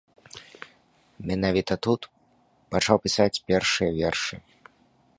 Менавіта тут пачаў пісаць першыя вершы.